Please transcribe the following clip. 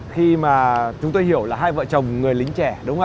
khi mà chúng tôi hiểu là hai vợ chồng người lính trẻ